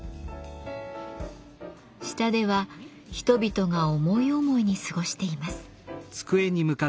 下では人々が思い思いに過ごしています。